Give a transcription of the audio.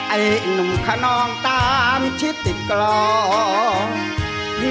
ไอ้หนุ่มคนองตามที่ติดกลอง